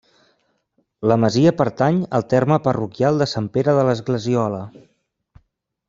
La masia pertany al terme parroquial de Sant Pere de l'Esglesiola.